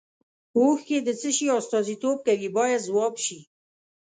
اوښکې د څه شي استازیتوب کوي باید ځواب شي.